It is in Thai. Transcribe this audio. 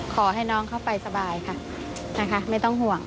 ขอให้น้องเขาไปสบายค่ะนะคะไม่ต้องห่วง